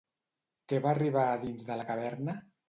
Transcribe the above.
Què va arribar a dins de la caverna?